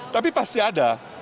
tapi pasti ada